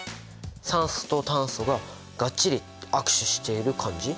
酸素と炭素ががっちり握手している感じ。